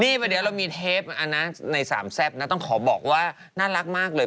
นี่เดี๋ยวเรามีเทปในสามแซ่บนะต้องขอบอกว่าน่ารักมากเลย